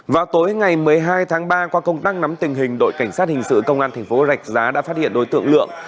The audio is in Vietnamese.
vào tối ngày một mươi hai tháng ba qua công đăng nắm tình hình đội cảnh sát hình sự công an thành phố rạch giá đã phát hiện đối tượng lượng